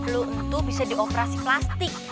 lo ntuh bisa dioperasi plastik